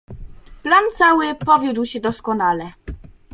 "Plan cały powiódł się doskonale."